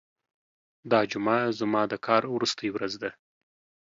دا جمعه زما د کار وروستۍ ورځ ده.